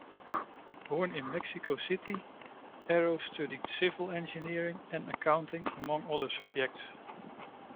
Born in Mexico City, Erro studied civil engineering and accounting, among other subjects.